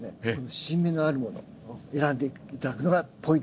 新芽のあるものを選んで頂くのがポイントになります。